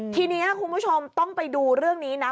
ทีนี้คุณผู้ชมต้องไปดูเรื่องนี้นะ